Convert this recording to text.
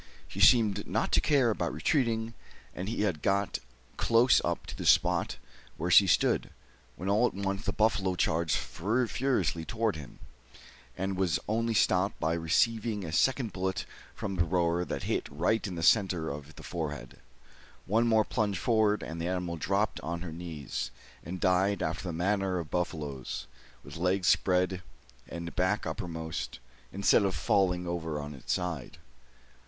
She seemed not to care about retreating, and he had got close up to the spot where she stood, when all at once the buffalo charged furiously towards him, and was only stopped by receiving a second bullet from the roer that hit right in the centre of the forehead. One more plunge forward and the animal dropped on her knees, and died after the manner of buffaloes, with legs spread and back uppermost, instead of falling over on its side.